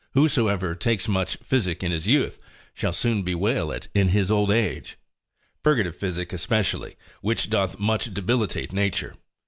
Whosoever takes much physic in his youth, shall soon bewail it in his old age: purgative physic especially, which doth much debilitate nature.